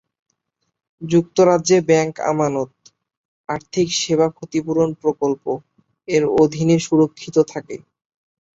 যুক্তরাজ্যে ব্যাংক আমানত "আর্থিক সেবা ক্ষতিপূরণ প্রকল্প-"এর অধীনে সুরক্ষিত থাকে।